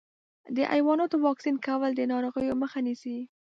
د حیواناتو واکسین کول د ناروغیو مخه نیسي.